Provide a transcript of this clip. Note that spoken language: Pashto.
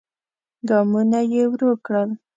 ګامونه يې ورو کړل.